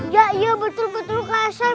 ya iya betul betul kakak sahab